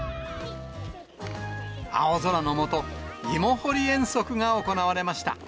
青空の下、芋掘り遠足が行われました。